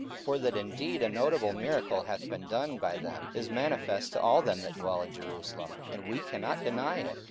for that indeed a notable miracle hath been done by them is manifest to all them that dwell in Jerusalem; and we cannot deny it.